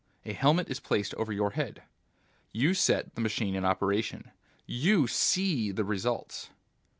A helmet is placed over your head. You set the machine in operation. You see the results."